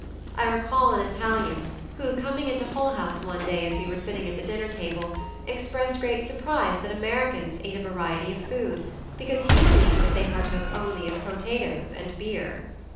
I recall an Italian who, coming into Hull House one day as we were sitting at the dinner table, expressed great surprise that Americans ate a variety of food, because he believed that they partook only of potatoes and beer.